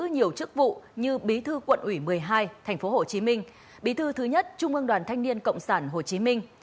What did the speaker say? nhiều chức vụ như bí thư quận ủy một mươi hai tp hcm bí thư thứ nhất trung ương đoàn thanh niên cộng sản hồ chí minh